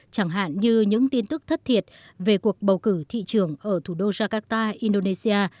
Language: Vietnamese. chẳng hạn như những tin tức thất thiệt về cuộc bầu cử thị trường ở thủ đô jakarta indonesia